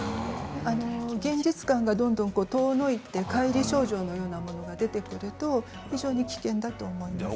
現実感が、どんどん遠のいてかい離症状のようなものが出てくると非常に危険だと思います。